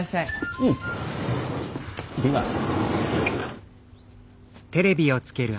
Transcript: うん行ってきます。